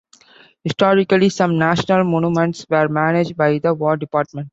Historically, some national monuments were managed by the War Department.